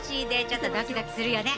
ちょっとドキドキするよね。